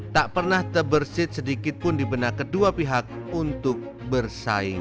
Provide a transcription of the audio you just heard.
tak pernah terbersih sedikit pun di benak kedua pihak untuk bersaing